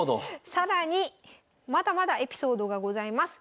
更にまだまだエピソードがございます。